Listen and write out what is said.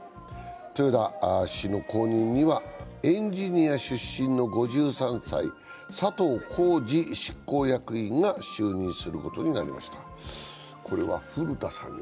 豊田氏の後任にはエンジニア出身の５３歳佐藤恒治執行役員が就任することになりました。